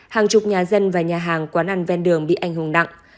hàng chục nhà dân và nhà hàng quán ăn ven đường bị anh hùng nặng